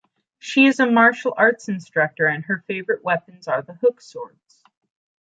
She is a martial arts instructor and her favorite weapons are the hook swords.